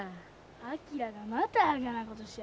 昭がまたあがなことしやる。